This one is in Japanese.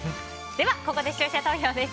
ここで視聴者投票です。